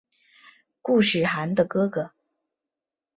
固始汗的哥哥。